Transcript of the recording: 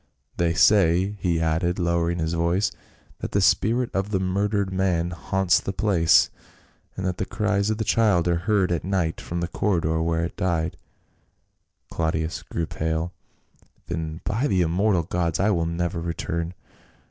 "They say," he added, lowering his voice, "that the spirit of the murdered man haunts the place, and that the cries of the child are heard at night from the corridor where it died." Claudius grew pale. "Then by the immortal gods I will never return